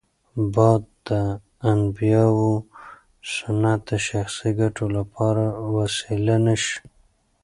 باید د انبیاوو سنت د شخصي ګټو لپاره وسیله نه شي.